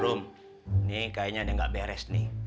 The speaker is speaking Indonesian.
belum ini kayaknya dia nggak beres nih